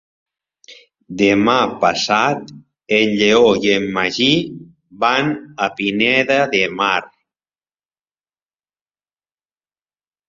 Demà passat en Lleó i en Magí van a Pineda de Mar.